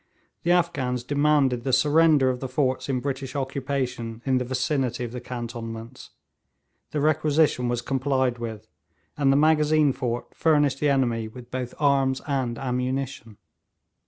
The Afghans demanded the surrender of the forts in British occupation in the vicinity of the cantonments. The requisition was complied with, and the Magazine fort furnished the enemy with both arms and ammunition.